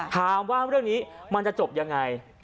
ถามว่าเรื่องนี้มันจะจบยังไง